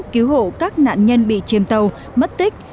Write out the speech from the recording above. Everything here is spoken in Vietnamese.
cứu hộ các nạn nhân bị chìm tàu mất tích